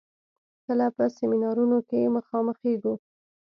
کله په سيمينارونو کې مخامخېږو.